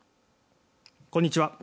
こんにちは。